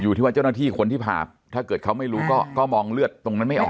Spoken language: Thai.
ที่ว่าเจ้าหน้าที่คนที่ผ่าถ้าเกิดเขาไม่รู้ก็มองเลือดตรงนั้นไม่ออก